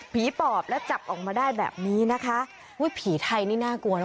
ปอบแล้วจับออกมาได้แบบนี้นะคะอุ้ยผีไทยนี่น่ากลัวนะ